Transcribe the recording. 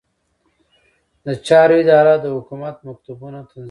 د چارو اداره د حکومت مکتوبونه تنظیموي